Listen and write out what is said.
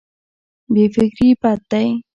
بې فکري بد دی.